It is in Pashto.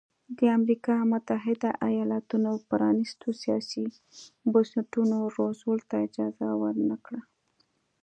د امریکا متحده ایالتونو پرانیستو سیاسي بنسټونو روزولټ ته اجازه ورنه کړه.